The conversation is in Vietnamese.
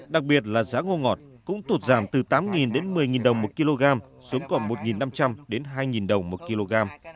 đặc biệt là giá ngô ngọt cũng tụt giảm từ tám đến một mươi đồng một kg xuống còn một năm trăm linh hai đồng một kg